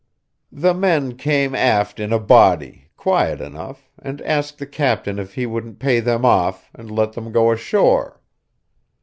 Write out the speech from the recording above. The men came aft in a body, quiet enough, and asked the captain if he wouldn't pay them off, and let them go ashore.